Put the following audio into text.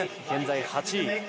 現在８位。